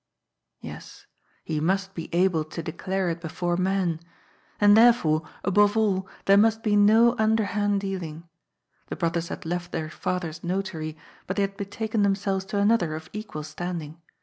Yes, he must be able to declare it before men. And therefore, aboye all, there must be no underhand dealing. The brothers had left their father's notary, but they had betaken themselyes to another of equal standing.